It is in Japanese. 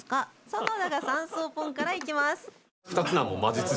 園田が三索ポンからいきます。